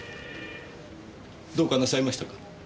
どうかなさいましたか？